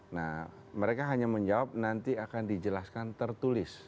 nah mereka hanya menjawab nanti akan dijelaskan tertulis